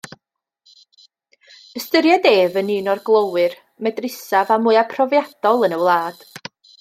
Ystyried ef yn un o'r glowyr medrusaf a mwyaf profiadol yn y wlad.